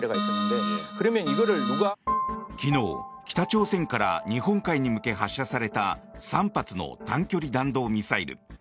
昨日、北朝鮮から日本海に向け発射された３発の短距離弾道ミサイル。